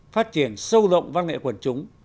phát triển sâu rộng văn nghệ quần chúng